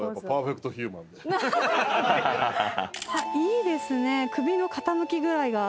いいですね首の傾き具合が。